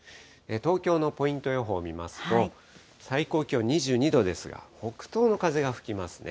東京のポイント予報見ますと、最高気温２２度ですが、北東の風が吹きますね。